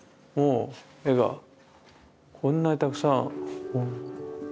絵がこんなにたくさん。